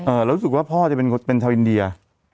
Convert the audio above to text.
แล้วรู้สึกว่าพ่อจะเป็นคนเป็นชาวอินเดีย